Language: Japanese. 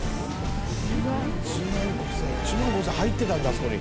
１万５０００入ってたんだあそこに。